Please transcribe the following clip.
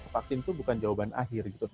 vaksin itu bukan jawaban akhir gitu